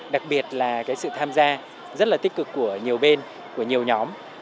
đặc biệt là cái sự tham gia rất là tích cực của nhiều bên của nhiều nhóm